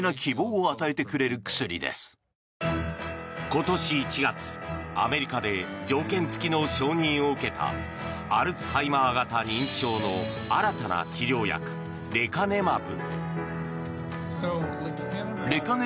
今年１月、アメリカで条件付きの承認を受けたアルツハイマー型認知症の新たな治療薬レカネマブ。